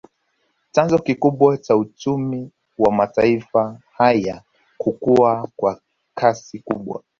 Chanzo kikubwa cha uchumi wa mataifa haya kukua kwa kasi kubwa